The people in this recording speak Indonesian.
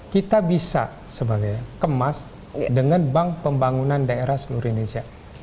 kita bisa sebagai kemas dengan bank pembangunan daerah seluruh indonesia